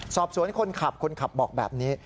สอบสวนคนขับคนขับบอกแบบนี้